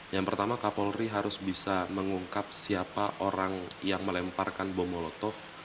yang pertama kapolri harus bisa mengungkap siapa orang yang melemparkan bom molotov